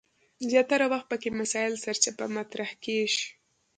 زیاتره وخت پکې مسایل سرچپه مطرح کیږي.